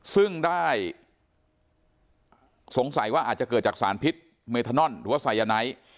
ซึ่งได้สงสัยว่าอาจจะเกิดจากสารพิษเมธานอนหรือว่าไซยาไนท์